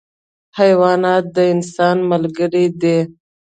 حیوانات د انسان ملګري دي.